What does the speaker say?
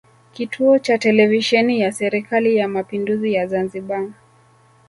Kituo cha Televisheni ya Serikali ya Mapinduzi ya Zanzibar